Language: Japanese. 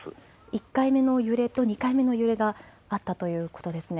１回目の揺れと２回目の揺れがあったということですね。